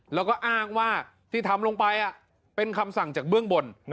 แล้วก็อ้างว่าที่ทำลงไปเป็นคำสั่งจากเบื้องบน